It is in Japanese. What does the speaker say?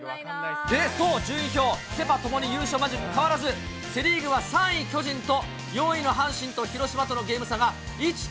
順位表、セ・パともに優勝マジック変わらず、セ・リーグは３位巨人と４位の阪神と広島とのゲーム差が１．５。